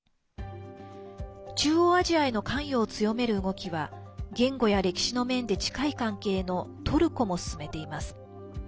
中央アジアへの関与を強める動きは言語や歴史の面で近い関係のトルコも進めています。